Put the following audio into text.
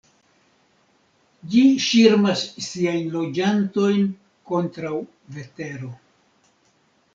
Ĝi ŝirmas siajn loĝantojn kontraŭ vetero.